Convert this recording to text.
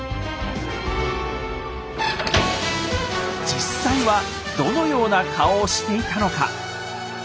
実際はどのような顔をしていたのか。